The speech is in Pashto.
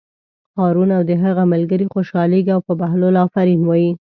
هارون او د هغه ملګري خوشحالېږي او په بهلول آفرین وایي.